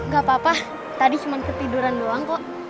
gak apa apa tadi cuma ketiduran doang kok